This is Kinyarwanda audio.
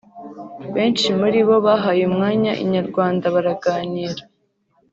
Benshi muri bo bahaye umwanya Inyarwanda baraganira